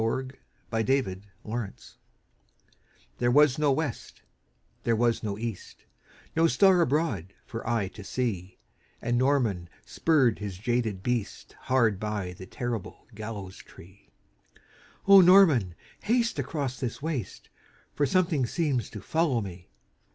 Y Z The Demon of the Gibbet THERE was no west, there was no east, No star abroad for eye to see; And Norman spurred his jaded beast Hard by the terrible gallows tree. "O Norman, haste across this waste For something seems to follow me!"